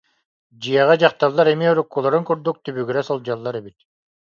Дьиэҕэ дьахталлар эмиэ уруккуларын курдук түбүгүрэ сылдьаллар эбит